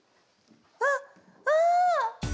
あっあぁ！